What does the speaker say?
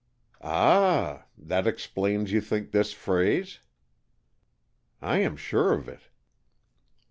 "Ah! That explains, you think, this phrase?" "I am sure of it."